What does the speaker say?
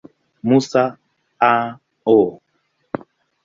Musa, A. O.